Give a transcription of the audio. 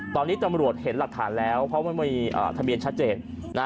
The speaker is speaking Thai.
ตอนนี้ตำรวจเห็นหลักฐานแล้วเพราะมันมีทะเบียนชัดเจน